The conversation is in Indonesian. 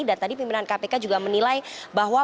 dan tadi pimpinan kpk juga menilai bahwa